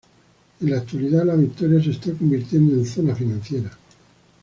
En la actualidad, La Victoria se está convirtiendo en zona financiera.